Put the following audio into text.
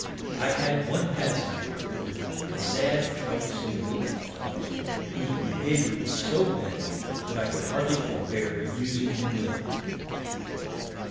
I had one Passenger aboard, a sad troublesome wicked Fellow, whose Behaviour was so bad, that I could hardly forbear using him ill.